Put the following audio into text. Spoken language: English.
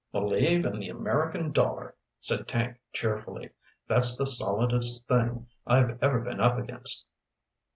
"Believe in the American dollar," said Tank cheerfully. "That's the solidest thing I've ever been up against."